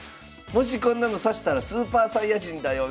「もしこんなの指したらスーパーサイヤ人だよ」